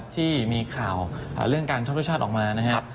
ที่มีข่าวเรื่องการชอบโทรศัพท์ออกมา